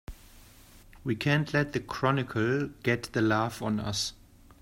We can't let the Chronicle get the laugh on us!